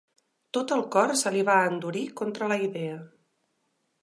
Tot el cor se li va endurir contra la idea.